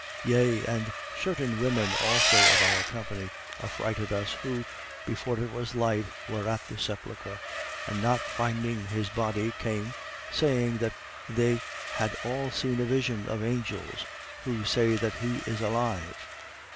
24:22. Yea and certain women also of our company affrighted us who, before it was light, were at the sepulchre, 24:23. And not finding his body, came, saying that they had all seen a vision of angels, who say that he is alive.